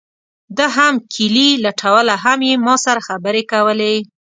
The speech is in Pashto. ده هم کیلي لټوله هم یې ما سره خبرې کولې.